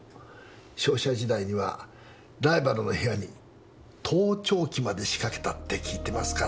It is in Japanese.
商社時代にはライバルの部屋に盗聴器まで仕掛けたって聞いてますから。